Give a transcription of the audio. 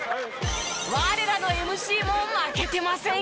我らのＭＣも負けてませんよ！